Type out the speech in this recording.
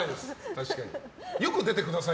確かに。